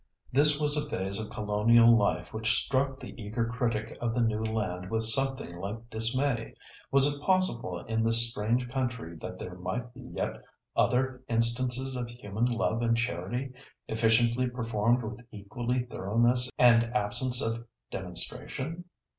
This was a phase of colonial life which struck the eager critic of the new land with something like dismay. Was it possible in this strange country that there might be yet other instances of human love and charity efficiently performed with equal thoroughness and absence of demonstration?